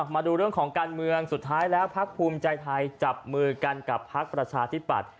มาดูเรื่องของการเมืองสุดท้ายแล้วพักภูมิใจไทยจับมือกันกับพักประชาธิปัตย